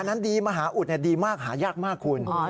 อันนั้นดีมหาอุดเนี่ยดีมากหายากมากคุณอ๋อ